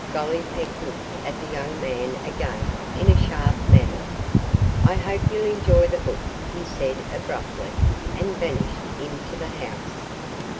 Gollipeck looked at the young man again in a sharp manner. 'I hope you'll enjoy the book,' he said, abruptly, and vanished into the house.